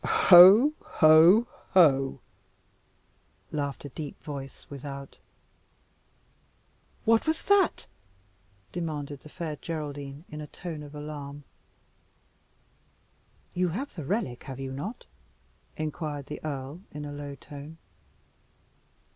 "Ho! ho! ho!" laughed a deep voice without. "What was that?" demanded the Fair Geraldine in a tone of alarm. "You have the relic, have you not?" inquired the earl in a low tone.